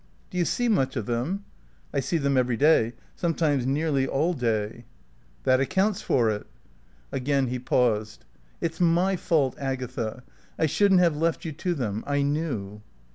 "Do you see much of them?" "I see them every day. Sometimes nearly all day." "That accounts for it." Again he paused. "It's my fault, Agatha. I shouldn't have left you to them. I knew."